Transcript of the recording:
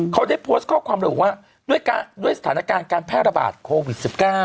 เขาได้โพสต์ข้อความเลยบอกว่าด้วยสถานการณ์การแพร่ระบาดโควิด๑๙